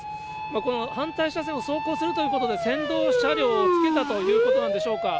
この反対車線を走行するということで、先導車両をつけたということなんでしょうか。